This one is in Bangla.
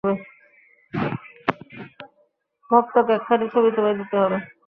ভক্তকে একখানি ছবি তোমায় দিতে হবে।